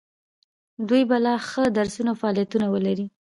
دوی به لا ښه درسونه او فعالیتونه ولري.